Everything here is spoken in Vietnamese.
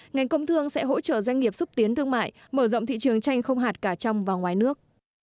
ngành công thương sẽ hỗ trợ doanh nghiệp xúc tiến thương mại mở rộng thị trường tranh không hạt cả trong và ngoài nước